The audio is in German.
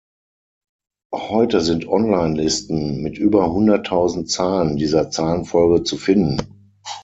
Heute sind Online-Listen mit über hunderttausend Zahlen dieser Zahlenfolge zu finden.